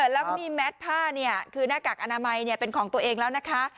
แล้วก็มีแมทผ้าเนี่ยคือหน้ากากอนามัยเป็นของตัวเองแล้วนะคะ